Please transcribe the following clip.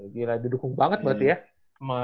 gila dia dukung banget berarti ya